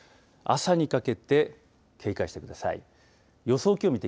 朝にかけて警戒してください。